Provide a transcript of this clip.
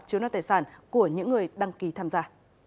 chiếu nọt tài sản của những người đăng ký tham gia